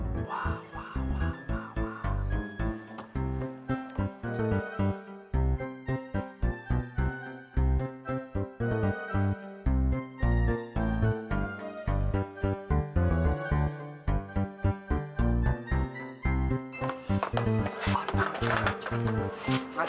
mas mas bayar dulu mas